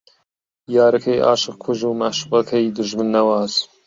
یارەکەی عاشق کوژ و مەعشووقەکەی دوژمن نەواز